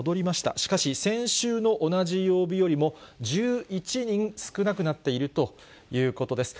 しかし、先週の同じ曜日よりも１１人少なくなっているということです。